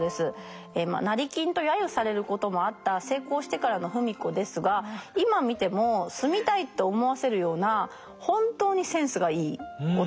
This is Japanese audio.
成金と揶揄されることもあった成功してからの芙美子ですが今見ても住みたいと思わせるような本当にセンスがいいお宅です。